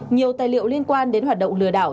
nhiều tài liệu liên quan đến hoạt động lừa đảo